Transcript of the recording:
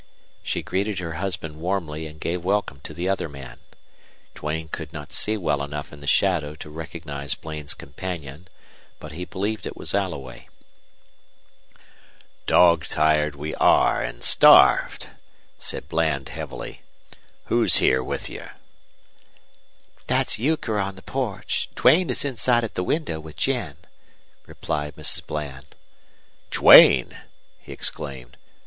She greeted her husband warmly and gave welcome to the other man. Duane could not see well enough in the shadow to recognize Bland's companion, but he believed it was Alloway. "Dog tired we are and starved," said Bland, heavily. "Who's here with you?" "That's Euchre on the porch. Duane is inside at the window with Jen," replied Mrs. Bland. "Duane!" he exclaimed.